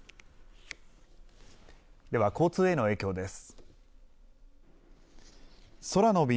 では交通への影響です。